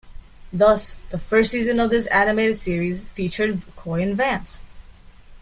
Thus, the first season of this animated series featured Coy and Vance.